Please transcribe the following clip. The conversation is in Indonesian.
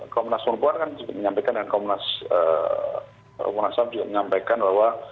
komnas perempuan kan menyampaikan dan komnas pembangunan sab juga menyampaikan bahwa